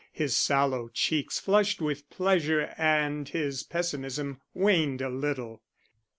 His sallow cheeks flushed with pleasure and his pessimism waned a little.